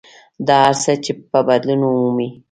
دا هر څه به بدلون مومي.